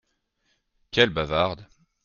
Quelle bavarde !